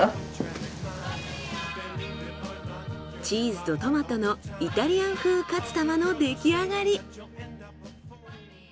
チーズとトマトのイタリアン風カツ玉の出来上がり。